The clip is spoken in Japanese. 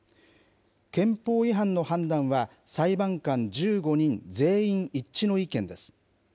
憲法違反の判断は裁判官１５人全員一致の意見です。